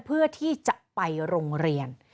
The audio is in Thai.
เพื่อที่จะไปโรงเรียน